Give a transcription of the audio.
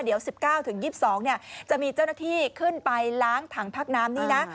เดี๋ยว๑๙๒๒จะมีเจ้าหน้าที่ขึ้นไปล้างถังพักน้ำนี่นะ